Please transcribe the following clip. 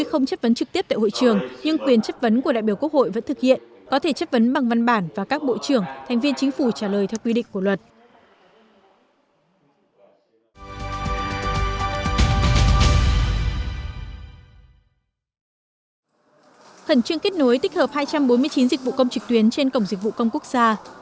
thẩn trương kết nối tích hợp hai trăm bốn mươi chín dịch vụ công trực tuyến trên cổng dịch vụ công quốc gia